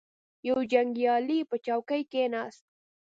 یو جنګیالی په چوکۍ کښیناست.